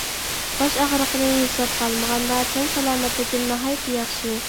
باش ئاغرىقىنى ھېسابقا ئالمىغاندا تەن سالامەتلىكىم ناھايىتى ياخشى.